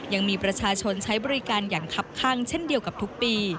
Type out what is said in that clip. ยังมีประชาชนใช้บริการอย่างคับข้างเช่นเดียวกับทุกปี